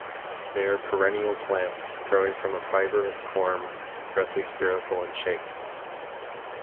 They are perennial plants growing from a fibrous corm, roughly spherical in shape.